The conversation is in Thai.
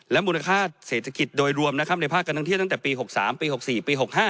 และมูลค่าเศรษฐกิจโดยรวมในภาคกำลังเที่ยวตั้งแต่ปี๖๓ปี๖๔ปี๖๕